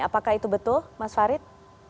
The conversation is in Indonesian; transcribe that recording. apakah itu betul mas farid